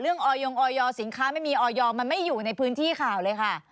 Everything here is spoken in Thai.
ออยงออยสินค้าไม่มีออยมันไม่อยู่ในพื้นที่ข่าวเลยค่ะ